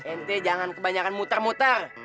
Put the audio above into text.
ente jangan kebanyakan muter muter